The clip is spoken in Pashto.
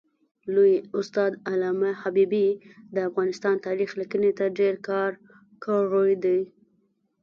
لوی استاد علامه حبیبي د افغانستان تاریخ لیکني ته ډېر کار کړی دی.